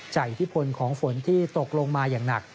อิทธิพลของฝนที่ตกลงมาอย่างหนัก